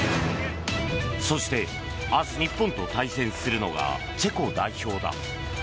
そして、明日日本と対戦するのがチェコ代表だ。